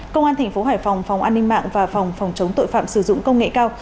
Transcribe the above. công an thành phố hải phòng phòng an ninh mạng và phòng phòng chống tội phạm sử dụng công nghệ cao